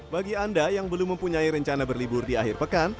bagi anda yang belum mempunyai rencana berlibur di akhir pekan